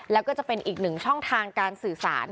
แล้วก็จะเป็นอีกหนึ่งช่องทางการสื่อสาร